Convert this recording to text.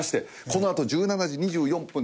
このあと１７時２４分